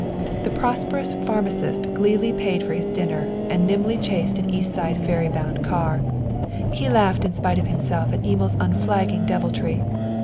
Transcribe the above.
The prosperous pharmacist gleefully paid for his dinner and nimbly chased an East side ferry bound car. He laughed in spite of himself at Emil's unflagging deviltry.